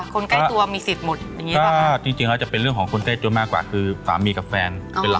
คนใกล้ตัวมีสิทธิ์หมดอย่างนี้ป่ะจริงแล้วจะเป็นเรื่องของคนเต้จนมากกว่าคือสามีกับแฟน